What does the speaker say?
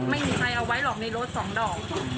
ไม่มีใครเอาไว้หรอกในรถสองดอก